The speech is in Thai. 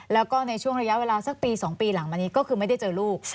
แล้วก็ในช่วงระยะเวลาสักปี๒ปีหลังมานี้ก็คือไม่ได้เจอลูก